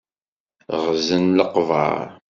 Ɣzen leqber.